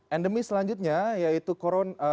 endemi selanjutnya yaitu koron